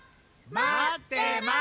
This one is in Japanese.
まってます！